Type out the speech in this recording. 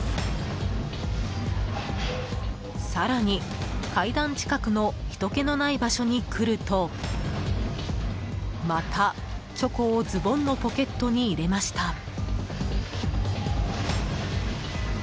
更に、階段近くのひとけのない場所に来るとまたチョコをズボンのポケットに入れました。